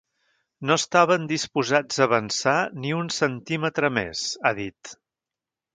No estaven disposats a avançar ni un centímetre més, ha dit.